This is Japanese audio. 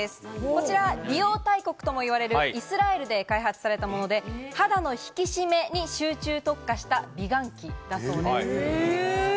こちら美容大国ともいわれるイスラエルで開発されたもので、肌の引き締めに集中特化した美顔器だそうです。